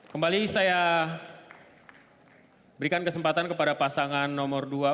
kembali saya berikan kesempatan kepada pasangan nomor dua